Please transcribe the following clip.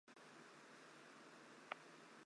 带更多现代风格轮圈。